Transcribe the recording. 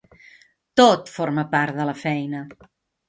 Tot forma part de la feina.